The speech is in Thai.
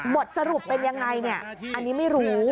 บทสรุปเป็นยังไงเนี่ยอันนี้ไม่รู้